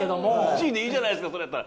１位でいいじゃないですかそれやったら。